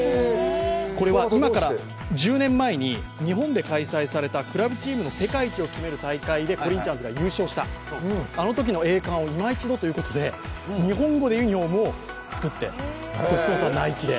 これは今から１０年前に日本で開催されたクラブチームの世界一を決める大会でコリンチャンスが優勝した、あのときの栄冠をいま一度ということで、日本語のユニフォームを作って、スポンサーはナイキで。